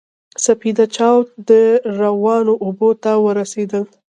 سپېده چاود روانو اوبو ته ورسېدل.